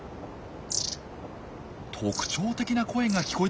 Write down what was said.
特徴的な声が聞こえてきました。